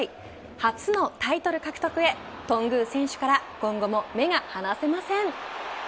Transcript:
初のタイトル獲得へ頓宮選手から今後も目が離せません。